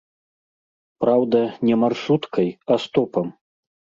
Праўда, не маршруткай, а стопам.